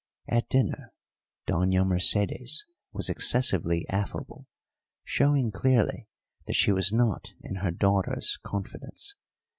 At dinner Doña Mercedes was excessively affable, showing clearly that she was not in her daughter's confidence.